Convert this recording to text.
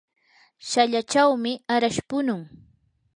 shallachawmi arash punun.